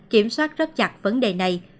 kiểm soát rất chặt vấn đề này